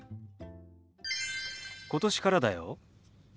今年からだよ。